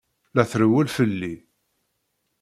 La trewwel fell-i.